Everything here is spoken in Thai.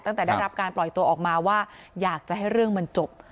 ตั้งแต่ได้รับการปล่อยตัวออกมาว่าอยากจะให้เรื่องมันจบ